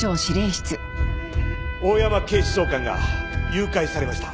大山警視総監が誘拐されました。